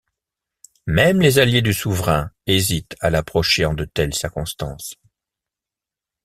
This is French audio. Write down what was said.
Même les alliés du souverain hésitent à l'approcher en de telles circonstances.